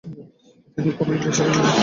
তিনি কুমায়ুন কেশরী নামে সমধিক পরিচিত।